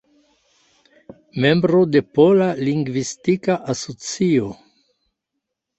Membro de Pola Lingvistika Asocio.